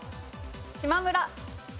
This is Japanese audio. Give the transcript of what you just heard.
しまむら。